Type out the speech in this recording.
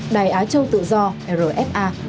đài á châu tự do rfa